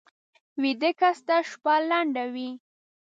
ویده کس ته شپه لنډه وي